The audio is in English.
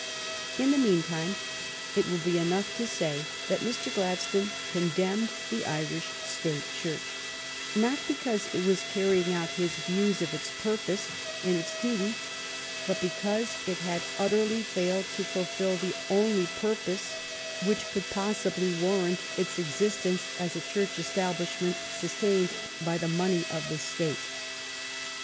In the meantime it will be enough to say that Mr. Gladstone condemned the Irish State Church, not because it was carrying out his views of its purpose and its duty, but because it had utterly failed to fulfil the only purpose which could GLADSTONE'S FIRST BOOK 73 possibly warrant its existence as a Church estab lishment sustained by the money of the State.